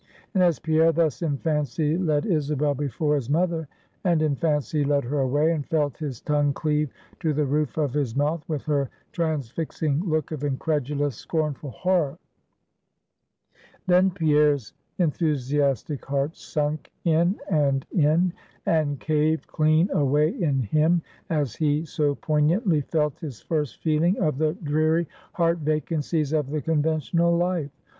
And as Pierre thus in fancy led Isabel before his mother; and in fancy led her away, and felt his tongue cleave to the roof of his mouth, with her transfixing look of incredulous, scornful horror; then Pierre's enthusiastic heart sunk in and in, and caved clean away in him, as he so poignantly felt his first feeling of the dreary heart vacancies of the conventional life.